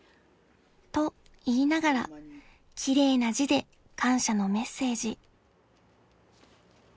［と言いながら奇麗な字で感謝のメッセージ］